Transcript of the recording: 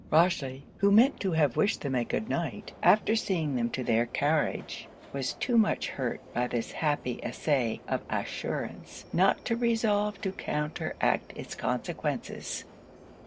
Rochely, who meant to have wished them a good night after seeing them to their carriage, was too much hurt by this happy essay of assurance not to resolve to counteract it's consequences.